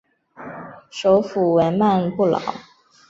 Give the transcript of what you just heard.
首府为曼布劳。